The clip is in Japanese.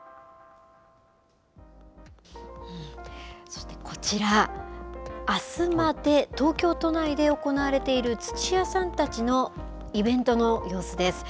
そしてこちら、あすまで、東京都内で行われている、土屋さんたちのイベントの様子です。